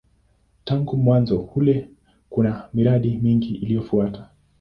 Tangu mwanzo ule kuna miradi mingi iliyofuata.